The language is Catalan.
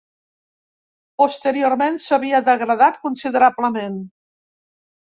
Posteriorment s'havia degradat considerablement.